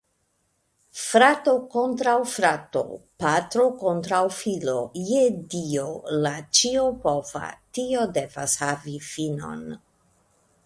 Frato kontraŭ frato, patro kontraŭ filo; je Dio, la ĉiopova, tio devas havi finon!